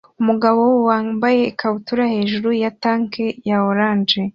Umugabo wambaye ikabutura hejuru ya tank ya orange